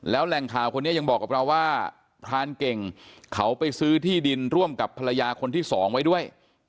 แล้วแหล่งข่าวคนนี้ยังบอกกับเราว่าพรานเก่งเขาไปซื้อที่ดินร่วมกับภรรยาคนที่สองไว้ด้วย